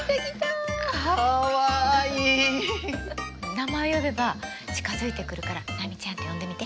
名前を呼べば近づいてくるから「波ちゃん」って呼んでみて。